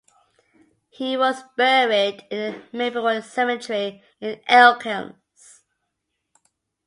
He was buried in the Maplewood Cemetery in Elkins.